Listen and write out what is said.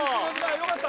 よかった。